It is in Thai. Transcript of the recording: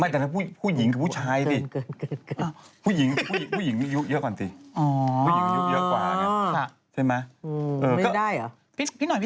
เขาต่างยังไหนผู้ชายเมื่อก่อนเขาไปแหม้ผู้ชาย